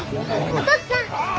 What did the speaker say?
お父っつあん！